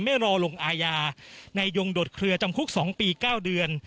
ไม่รอลงอาญานายยงโดดเคลือจำคุก๒ปี๙เดือน